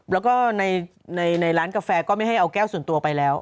แล้วก็ในร้านกาแฟก็ไม่ให้เอาแก้วส่วนตัวไปแล้ว